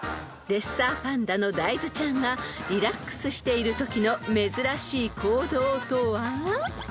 ［レッサーパンダのダイズちゃんがリラックスしているときの珍しい行動とは］